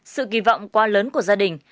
sự kỳ vọng quá lớn của gia đình